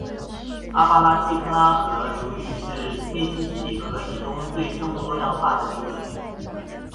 阿巴拉契科拉河流域是密西西比河以东最生物多样化的地区